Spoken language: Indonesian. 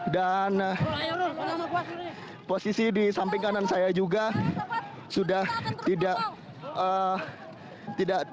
dan posisi di samping kanan saya juga sudah tidak